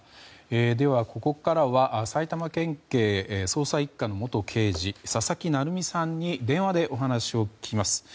では、ここからは埼玉県警捜査１課の元刑事、佐々木成三さんに電話で話を聞きます。